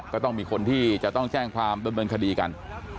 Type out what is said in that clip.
ก็ต้องมีคนที่จะต้องแจ้งความดำเนินคดีกัน